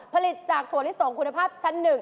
ผลิตจากถั่วลิสงคุณภาพชั้น๑